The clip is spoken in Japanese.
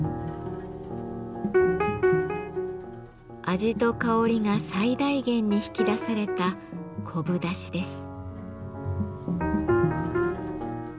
味と香りが最大限に引き出された昆布だしです。